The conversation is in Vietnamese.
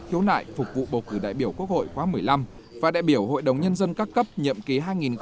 thiếu nại phục vụ bầu cử đại biểu quốc hội khóa một mươi năm và đại biểu hội đồng nhân dân các cấp nhậm ký hai nghìn hai mươi một hai nghìn hai mươi sáu